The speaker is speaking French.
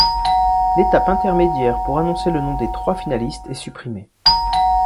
L’étape intermédiaire pour annoncer le nom des trois finalistes est supprimée.